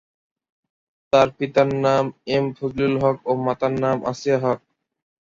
তার পিতার নাম এম ফজলুল হক ও মাতার নাম আসিয়া হক।